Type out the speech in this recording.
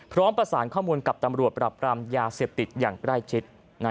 พร้อมประสานข้อมูลกับตำรวจปรับปรามยาเสพติดอย่างใกล้ชิด